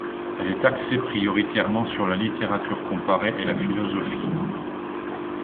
Elle est axée prioritairement sur la littérature comparée et la philosophie.